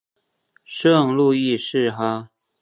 圣路易士哈！